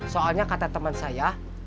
soalnya kata temen saya